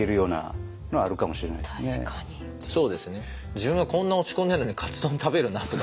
自分はこんな落ち込んでるのにカツ丼食べるなとかね。